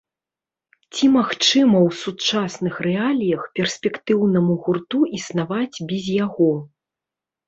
Ці магчыма ў сучасных рэаліях перспектыўнаму гурту існаваць без яго?